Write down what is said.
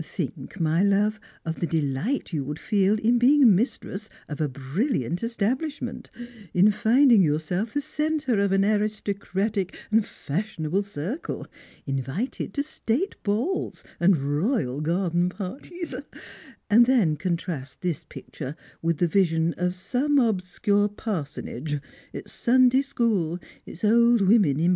Tliink, my love, of the delight you would feel in being mistress of a brilliant esta blishment — in finding yourself the centre of an aristocratic and fashionable circle, invited to state balls and royal garden partieg — and then contrast this picture with the vision of some obscpje Strangers and Pilgrims. 129 Jtarsonage, its Sunday school, its old women in.